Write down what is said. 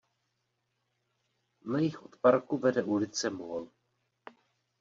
Na jih od parku vede ulice Mall.